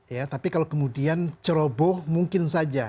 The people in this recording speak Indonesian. ya tapi kalau kemudian ceroboh mungkin saja